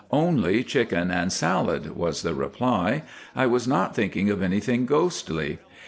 "Only chicken and salad," was the reply. "I was not thinking of anything ghostly.